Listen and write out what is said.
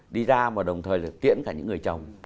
đi ra mà đồng thời là tiễn cả những người chồng